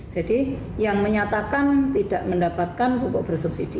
jadi yang menyatakan tidak mendapatkan pupuk bersubsidi